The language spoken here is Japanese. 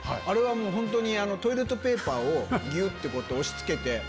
あれはトイレットペーパーをギュって押し付けて。